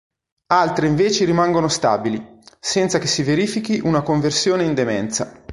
Altre invece rimangono stabili, senza che si verifichi una conversione in demenza.